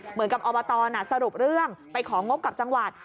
เหมือนกับอบตสรุปเรื่องไปของงบกับจังหวัด